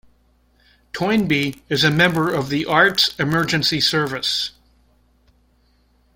Toynbee is a member of the Arts Emergency Service.